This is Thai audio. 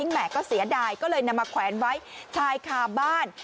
แม่ก็เสียดายก็เลยนำมาแขวนไว้ชายคาบ้าน